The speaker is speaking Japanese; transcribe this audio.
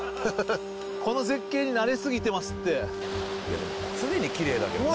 この絶景に慣れすぎてますっていや常にキレイだけどね